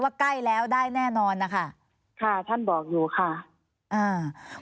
ใกล้แล้วได้แน่นอนนะคะค่ะท่านบอกอยู่ค่ะอ่า